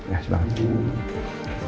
maaf gue baru sempet ngabarin sekarang ya